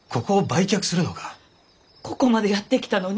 ここまでやってきたのに？